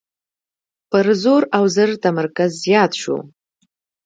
پر زور او زر تمرکز زیات شو.